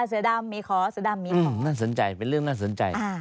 เสือดำมีขอเสือดำมีของน่าสนใจเป็นเรื่องน่าสนใจ